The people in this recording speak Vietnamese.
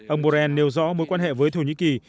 ông borrell nêu rõ mối quan hệ với thổ nhĩ kỳ